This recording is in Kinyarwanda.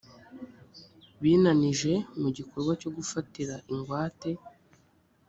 binanije mu gikorwa cyo gufatira ingwate